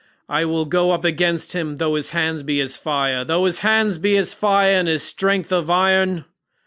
I will go up against him though his hands be as fire—though his hands be fire and his strength iron."